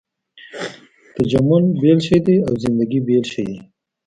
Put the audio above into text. تجمل بېل شی دی او زندګي بېل شی دی.